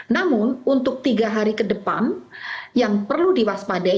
namun untuk tiga hari ke depan yang perlu diwaspadai